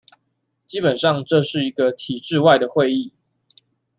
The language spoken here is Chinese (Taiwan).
基本上這是一個體制外的會議